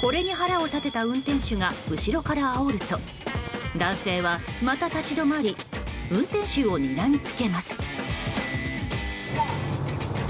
これに腹を立てた運転手が後ろからあおると男性は、また立ち止まり運転手をにらみつけます。